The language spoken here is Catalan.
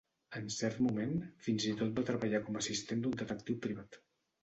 En cert moment, fins i tot va treballar com a assistent d'un detectiu privat.